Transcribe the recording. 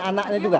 iya anaknya juga